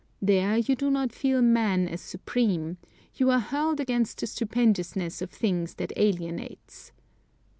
There, you do not feel man as supreme; you are hurled against the stupendousness of things that alienates.